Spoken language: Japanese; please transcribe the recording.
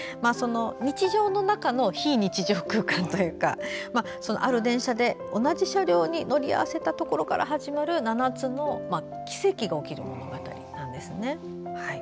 日常の中の非日常空間というかある電車で同じ車両に乗り合わせたところから始まる７つの奇跡が起きる物語なんです。